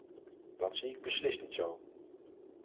Dat zie ik beslist niet zo.